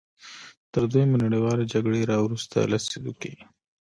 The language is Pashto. تر دویمې نړیوالې جګړې راوروسته لسیزو کې.